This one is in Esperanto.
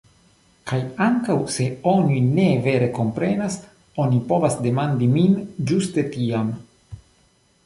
Kaj ankaŭ se oni ne vere komprenas, oni povas demandi min ĝuste tiam.